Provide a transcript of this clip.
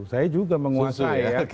saya juga menguasai